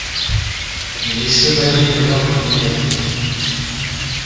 Il est chevalier de l'Ordre du mérite.